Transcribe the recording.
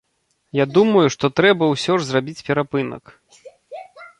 Я думаю, што трэба ўсе ж зрабіць перапынак.